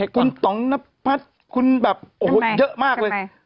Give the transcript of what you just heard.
คุณต่องนพัฒน์คุณแบบโอ้โหเยอะมากเลย